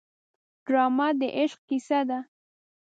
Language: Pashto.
ډرامه د عشق کیسه ده